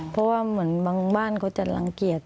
เพราะว่าเหมือนบางบ้านเขาจะรังเกียจ